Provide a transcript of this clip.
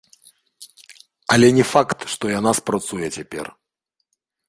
Але не факт, што яна спрацуе цяпер.